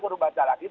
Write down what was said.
perlu baca lagi